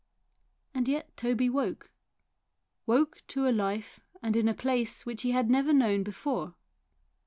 And yet Toby woke woke to a life and in a place which he had never known before.